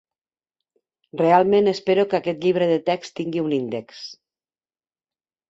Realment espero que aquest llibre de text tingui un índex.